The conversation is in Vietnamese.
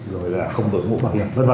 rồi là không bởi ngũ bảo hiểm v v